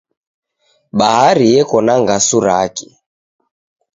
Bahari yeko na ngasu rake